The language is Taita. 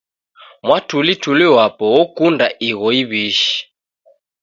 Mwatulituli wapo okunda igho iwi'shi